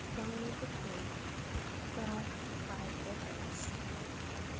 Long live the king ! God guard youi Grace